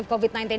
oke oleh ayah